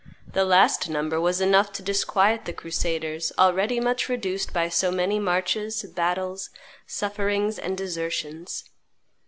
The last number was enough to disquiet the crusaders, already much reduced by so many marches, battles, sufferings, and desertions.